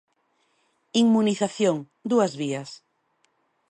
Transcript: Inmunización: dúas vías.